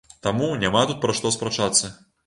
Таму, няма тут пра што спрачацца.